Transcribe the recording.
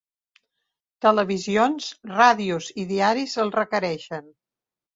Televisions, ràdios i diaris el requereixen.